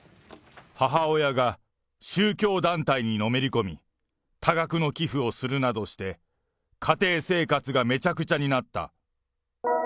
母親が宗教団体にのめり込み、多額の寄付をするなどして、家庭生活がめちゃくちゃになった。